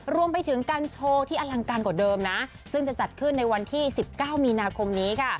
รวมไปถึงการโชว์ที่อลังการกว่าเดิมนะซึ่งจะจัดขึ้นในวันที่๑๙มีนาคมนี้ค่ะ